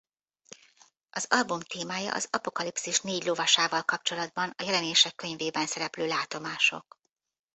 Az album témája az Apokalipszis Négy Lovasával kapcsolatban a Jelenések könyvében szereplő látomások.